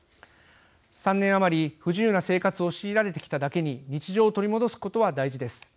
３年余り、不自由な生活を強いられてきただけに日常を取り戻すことは大事です。